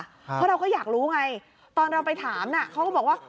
เพราะเราก็อยากรู้ไงตอนเราไปถามน่ะเขาก็บอกว่า